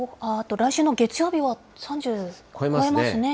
来週の月曜日は３０？超えますね。